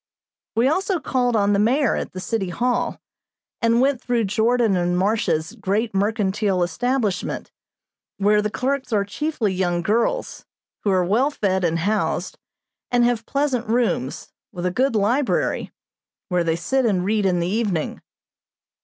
We also called on the Mayor, at the City Hall, and went through Jordan & Marsh's great mercantile establishment, where the clerks are chiefly young girls, who are well fed and housed, and have pleasant rooms, with a good library, where they sit and read in the evening.